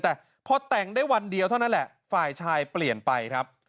แต่พอแต่งได้วันเดียวเท่านั้นแหละฝ่ายชายเปลี่ยนไปครับ